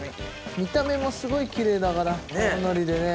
見た目もすごいキレイだから青のりでね。